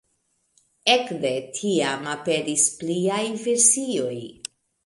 Ekde tiam aperis pliaj versioj.